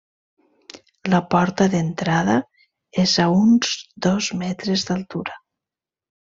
La porta d'entrada és a uns dos metres d'altura.